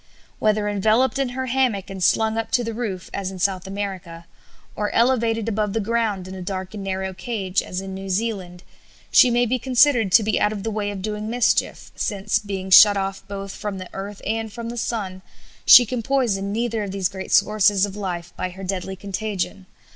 Whether enveloped in her hammock and slung up to the roof, as in South America, or elevated above the ground in a dark and narrow cage, as in New Zealand, she may be considered to be out of the way of doing mischief, since, being shut off both from the earth and from the sun, she can poison neither of these great sources of life by her deadly contagion.